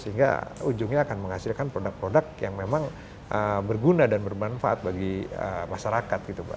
sehingga ujungnya akan menghasilkan produk produk yang memang berguna dan bermanfaat bagi masyarakat gitu mbak